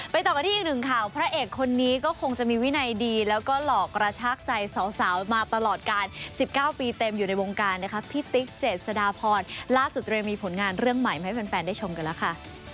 ต่อกันที่อีกหนึ่งข่าวพระเอกคนนี้ก็คงจะมีวินัยดีแล้วก็หลอกกระชากใจสาวมาตลอดการ๑๙ปีเต็มอยู่ในวงการนะคะพี่ติ๊กเจษฎาพรล่าสุดเตรียมมีผลงานเรื่องใหม่มาให้แฟนได้ชมกันแล้วค่ะ